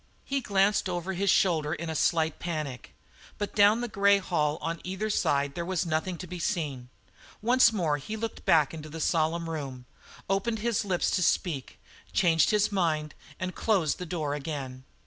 He glanced over his shoulder in a slight panic, but down the grey hall on either side there was nothing to be seen. Once more he looked back into the solemn room, opened his lips to speak, changed his mind, and closed the door again.